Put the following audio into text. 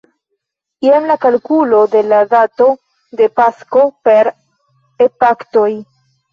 Jen la kalkulo de la dato de Pasko per epaktoj.